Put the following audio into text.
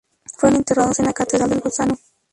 Fueron enterrados en la Catedral de Bolzano.